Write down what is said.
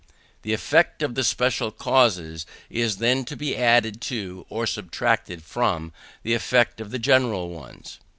The effect of the special causes is then to be added to, or subtracted from, the effect of the general ones.